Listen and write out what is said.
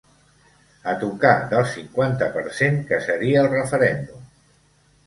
A tocar del cinquanta per cent que seria el referèndum.